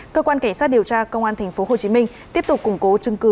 cơ quan cảnh sát điều tra công an tp hcm tiếp tục củng cố chứng cứ